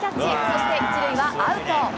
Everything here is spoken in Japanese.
そして、１塁はアウト。